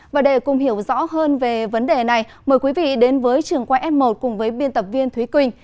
và để cùng hiểu rõ hơn về vấn đề này mời quý vị đến với trường quay s một cùng với biên tập viên thúy quỳnh